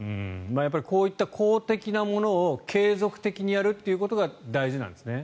やっぱりこういう公的なものを継続的にやるということが大事なんですね。